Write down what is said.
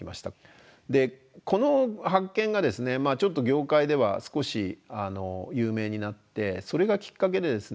この発見がですねまあちょっと業界では少し有名になってそれがきっかけでですね